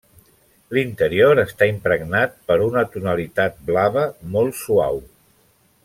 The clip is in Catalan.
L'interior està impregnat per una tonalitat blava, molt suau.